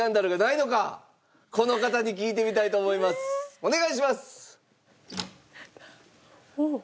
お願いします！